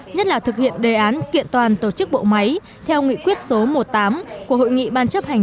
nhất là thực hiện đề án kiện toàn tổ chức bộ máy theo nghị quyết số một mươi tám của hội nghị ban chấp hành